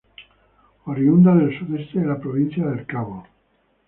Oriunda del sudoeste de la Provincia del Cabo